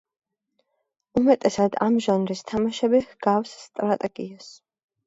უმეტესად ამ ჟანრის თამაშები ჰგავს სტრატეგიას.